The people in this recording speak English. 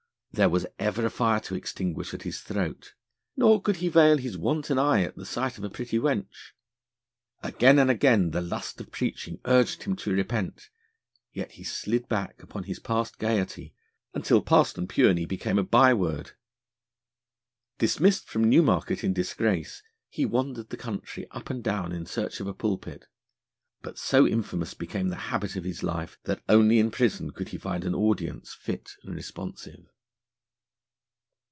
There was ever a fire to extinguish at his throat, nor could he veil his wanton eye at the sight of a pretty wench. Again and again the lust of preaching urged him to repent, yet he slid back upon his past gaiety, until Parson Pureney became a byword. Dismissed from Newmarket in disgrace, he wandered the country up and down in search of a pulpit, but so infamous became the habit of his life that only in prison could he find an audience fit and responsive.